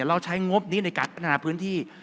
เราใช้งบนี้ในการพัฒนาพื้นที่